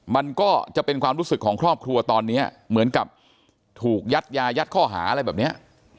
มันก็จะเป็นความรู้สึกของครอบครัวตอนนี้เหมือนกับถูกยัดยายัดข้อหาอะไรแบบเนี้ย